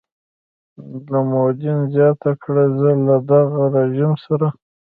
لومدین زیاته کړه زه له دغه رژیم سره.